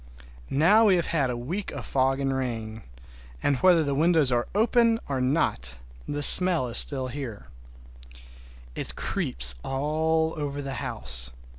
Now we have had a week of fog and rain, and whether the windows are open or not, the smell is here. It creeps all over the house.